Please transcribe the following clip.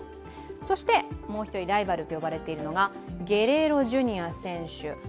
そして、もう一人ライバルと呼ばれているゲレーロ・ジュニア選手。